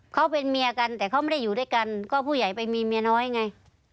เขาเป็นเมียกันแต่เขาไม่ได้อยู่ด้วยกันก็ผู้ใหญ่ไปมีเมียน้อยไง